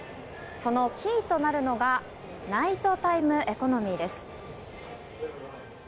そのキーとなるのがナイトタイムエコノミーです。